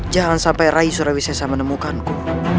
jangan sampai rai surawisesa menemukanku